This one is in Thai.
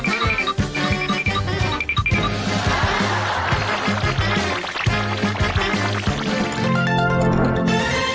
สวัสดีครับ